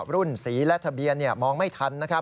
รุ่นสีและทะเบียนมองไม่ทัน